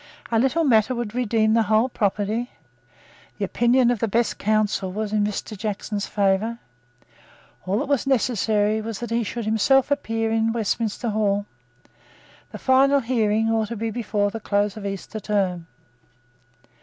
A little matter would redeem the whole property. The opinions of the best counsel were in Mr. Jackson's favour. All that was necessary was that he should himself appear in Westminster Hall. The final hearing ought to be before the close of Easter Term.